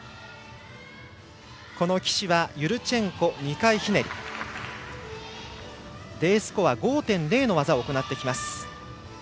岸はユルチェンコ２回ひねりＤスコア、５．０の技を行います。